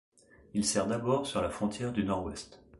Il sert d'abord sur la frontière du nord-ouest.